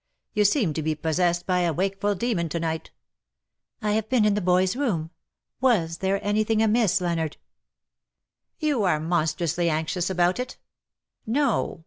" You seem to be possessed by a wakeful demon to night/^ '^ I have been in the boy's room. fVas there anything amiss, Leonard ?^^*■' You are monstrously anxious about it. No.